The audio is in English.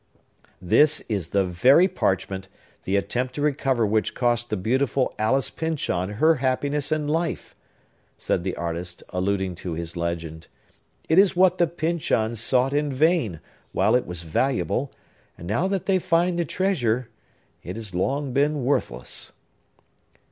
"This is the very parchment, the attempt to recover which cost the beautiful Alice Pyncheon her happiness and life," said the artist, alluding to his legend. "It is what the Pyncheons sought in vain, while it was valuable; and now that they find the treasure, it has long been worthless."